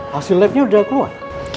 hasil labnya udah keluar